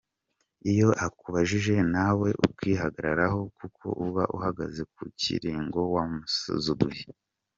Iyo akubajije nawe ukihagararaho kuko uba uhagaze ku kuli ngo wamusuzuguye.